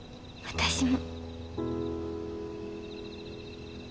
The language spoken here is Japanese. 私も。